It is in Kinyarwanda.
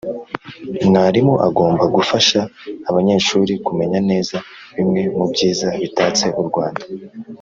Mwarimu agomba gufasha abanyeshuri kumenya neza bimwe mu byiza bitatse u Rwanda